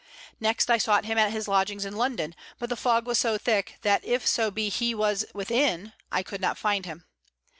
Next I sought him at his lodgings in London, but the fog was so thick that if so be he was within I could not find him.